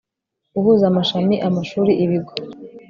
guhuza amashami amashuri ibigo